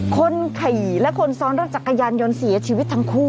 คนขี่และคนซ้อนรถจักรยานยนต์เสียชีวิตทั้งคู่